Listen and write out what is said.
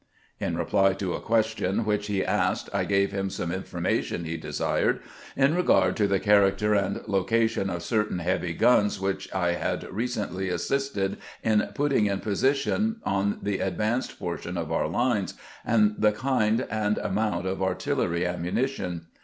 In reply to a question which he asked, I gave him some information he desired in regard to the character and location of certain heavy guns which I had recently assisted in putting in position on the advanced portion of our lines, and the kind and amount of artillery ammunition.